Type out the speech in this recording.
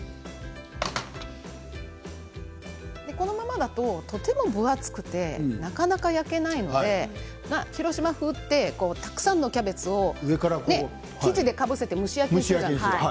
このままだと、とても分厚くてなかなか焼けないので広島風はたくさんのキャベツを生地で、かぶせて蒸し焼きにしますよね。